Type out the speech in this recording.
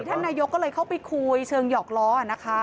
ท่านนายกก็เลยเข้าไปคุยเชิงหยอกล้อนะคะ